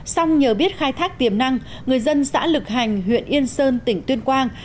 xong nhờ biết khai thác tiềm năng người dân xã lực hành huyện yên sơn tỉnh tuyên quang